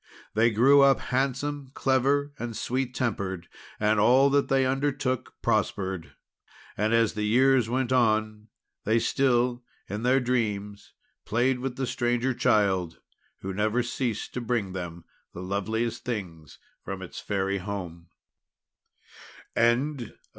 They grew up handsome, clever, and sweet tempered; and all that they undertook prospered. And as the years went on, they still, in their dreams, played with the Stranger Child, who never ceased to bring them the loveliest things from its Fairy Home.